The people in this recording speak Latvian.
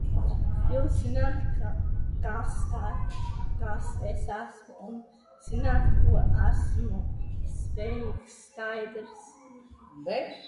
Jūs zināt, kas es esmu, un zināt, uz ko esmu spējīgs, skaidrs?